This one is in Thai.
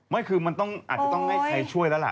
ไม่คือมันต้องอาจจะต้องให้ช่วยแล้วแหละ